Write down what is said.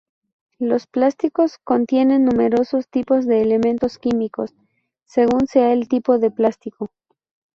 Los plásticos contienen numerosos tipos de elementos químicos, según sea el tipo de plástico.